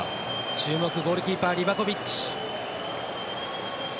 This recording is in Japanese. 注目、ゴールキーパーリバコビッチ。